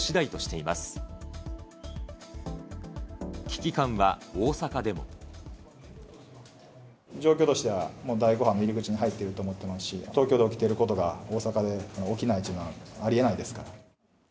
い状況としては、もう第５波の入り口に入っていると思ってますし、東京で起きてることが大阪で起きないというのは、ありえないですから。